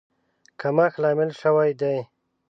کمښت لامل شوی دی.